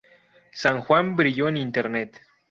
San Juan brilló en Internet.